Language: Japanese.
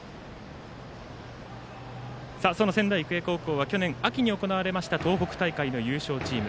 その仙台育英高校は去年秋に行われました東北大会の優勝チーム。